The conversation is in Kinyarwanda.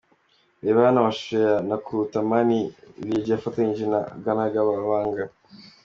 Reba hano amashusho ya ‘Nakutamani’ Lil G yafatanyije na Aganaga Babanga .